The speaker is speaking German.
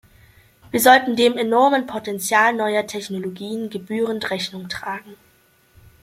Wir sollten dem enormen Potential neuer Technologien gebührend Rechnung tragen.